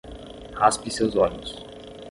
Raspe seus olhos